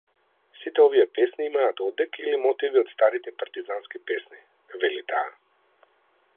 Сите овие песни имаат одек или мотиви од старите партизански песни, вели таа.